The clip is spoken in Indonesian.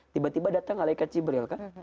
tiba tiba datang alaikat jibril kan